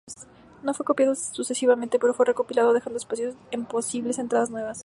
No fue copiado sucesivamente, pero fue recopilado, dejando espacios para posibles entradas nuevas.